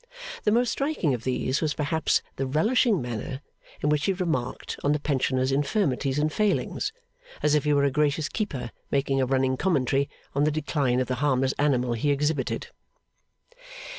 The most striking of these was perhaps the relishing manner in which he remarked on the pensioner's infirmities and failings, as if he were a gracious Keeper making a running commentary on the decline of the harmless animal he exhibited.